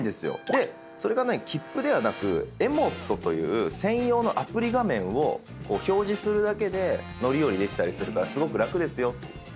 でそれが切符ではなくＥＭｏｔという専用のアプリ画面を表示するだけで乗り降りできたりするからすごく楽ですよ。